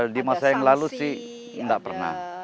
di masa yang lalu sih nggak pernah